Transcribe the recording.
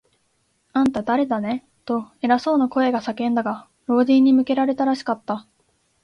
「あんた、だれだね？」と、偉そうな声が叫んだが、老人に向けられたらしかった。